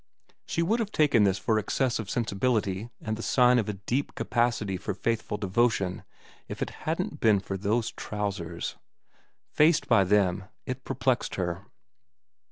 She would have taken this for excess of sensibility and the sign of a deep capacity for faithful devotion if it hadn't been for those trousers. Faced by them, it perplexed her.